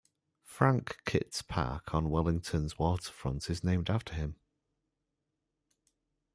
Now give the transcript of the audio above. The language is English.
Frank Kitts Park on Wellington's waterfront is named after him.